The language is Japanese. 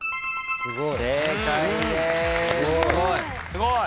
すごい。